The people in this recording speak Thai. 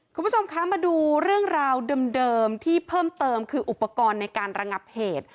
คุณผู้ชมคะมาดูเรื่องราวเดิมที่เพิ่มเติมคืออุปกรณ์ในการระงับเหตุ